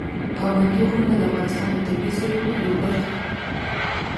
پابندي غرونه د افغانستان د طبیعي زیرمو یوه برخه ده.